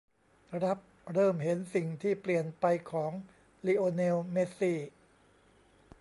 รับ เริ่มเห็นสิ่งที่เปลี่ยนไปของ ลิโอเนล เมสซี่